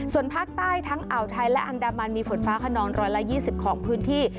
ส่วนภาคใต้ทั้งอ่าวไทยและอันดามันมีฝนฟ้าขนอง๑๒๐ของพื้นที่